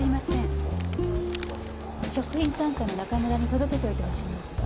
これ食品３課の中村に届けておいてほしいんですが。